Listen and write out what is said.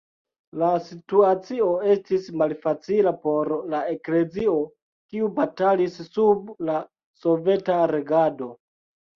La situacio estis malfacila por la eklezio, kiu batalis sub la soveta regado.